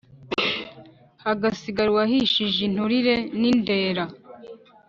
Hagasigara uwahishije inturire n’indera: